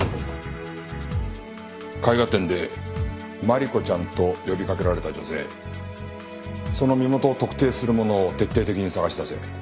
絵画展でまりこちゃんと呼びかけられた女性その身元を特定するものを徹底的に探し出せ。